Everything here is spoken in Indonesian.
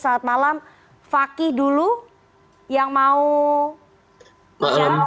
selamat malam fakih dulu yang mau